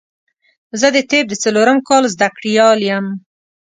زه د طب د څلورم کال زده کړيال يم